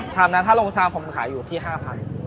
ถ้าลงชามผมขายอยู่ที่๕ภัย